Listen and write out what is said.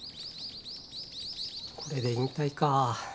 これで引退か。